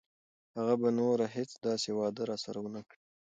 هغه به نوره هیڅ داسې وعده راسره ونه کړي.